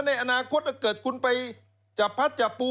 ในอนาคตถ้าเกิดคุณไปจับพัดจับปู